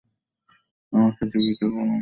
আমাকে জীবিত করুন।